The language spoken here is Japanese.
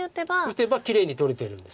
打てばきれいに取れてるんです。